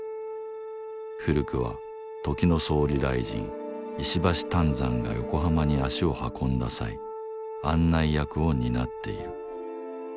古くは時の総理大臣石橋湛山が横浜に足を運んだ際案内役を担っている。